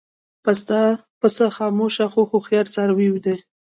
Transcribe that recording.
پسه خاموش خو هوښیار څاروی دی.